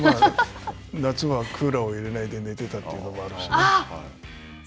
夏はクーラーを入れないで寝てたというのもあるしね。